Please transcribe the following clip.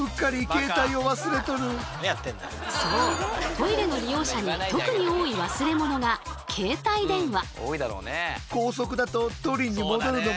トイレの利用者に特に多い忘れ物が携帯電話。